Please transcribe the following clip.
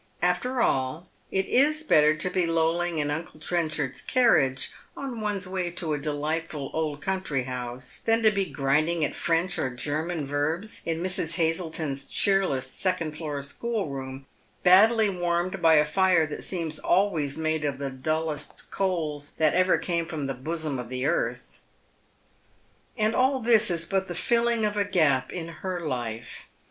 After all, it is better to be lolling in uncle Trenchard's carriage on one's way to a delightful old country bouse than to be grinding at French or German verbs in Mrs. Hazleton's cheer less second floor schoolroom, badly warmed by a fire that seems always made of the dullest coals that ever came from the bosom of tlie earth. And all this is but the filling up of a gap in bet life.